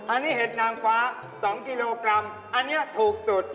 อันนี้เห็ดนางฟ้า๒กิโลกรัมอันนี้ถูกสุด